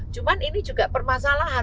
cuman ini juga permasalahan